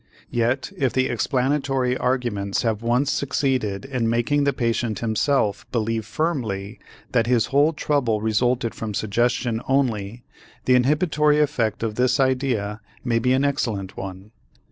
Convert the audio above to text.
Yet if the explanatory arguments have once succeeded in making the patient himself believe firmly that his whole trouble resulted from suggestion only, the inhibitory effect of this idea may be an excellent one.